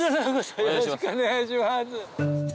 よろしくお願いします。